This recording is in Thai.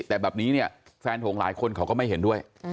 แต่แบบนี้เนี่ยแฟนถงหลายคนเขาก็ไม่เห็นด้วย